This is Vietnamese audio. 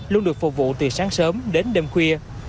luôn được phục vụ từ sáng sớm đến đêm khuya